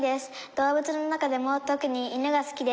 動物の中でもとくに犬が好きです。